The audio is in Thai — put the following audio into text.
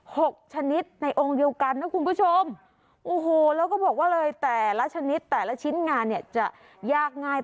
หกชนิดในองค์เดียวกันแล้วก็บอกว่าเลยแต่ละชนิดแต่ละชิ้นงานจะยากง่าย